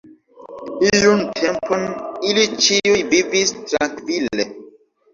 Iun tempon ili ĉiuj vivis trankvile.